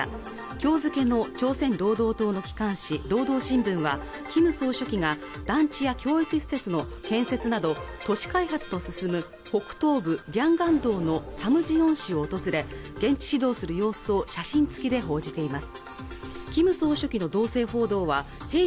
きょう付けの朝鮮労働党の機関紙「労働新聞」はキム総書記が団地や教育施設の建設など都市開発の進む北東部リャンガン道のサムジヨン市を訪れ現地指導する様子を写真付きで報じています